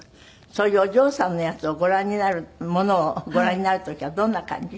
そういうお嬢さんのやつをご覧になるものをご覧になる時はどんな感じ？